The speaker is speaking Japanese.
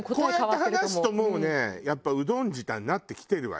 こうやって話すともうねやっぱうどん舌になってきてるわよ。